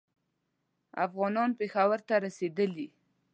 افغانان پېښور ته رسېدلي.